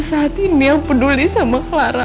saat ini yang peduli sama clara